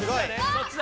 そっちだ。